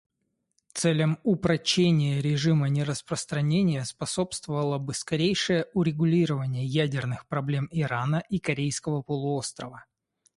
Целям упрочения режима нераспространения способствовало бы скорейшее урегулирование ядерных проблем Ирана и Корейского полуострова.